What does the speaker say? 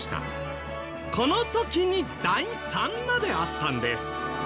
この時に「第３」まであったんです。